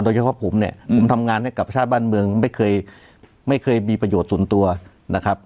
โดยเฉพาะผมเนี่ยผมทำงานให้กับชาติบ้านเมืองไม่เคยไม่เคยมีประโยชน์ส่วนตัวนะครับ